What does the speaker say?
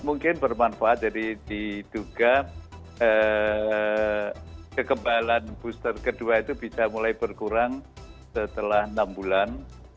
mungkin bermanfaat jadi diduga kekebalan booster kedua itu bisa mulai berkurang setelah enam bulan